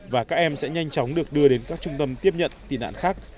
và các em sẽ nhanh chóng được đưa đến các trung tâm tiếp nhận tị nạn khác